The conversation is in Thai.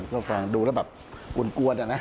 ก็ฟังดูแล้วแบบกวนอะนะ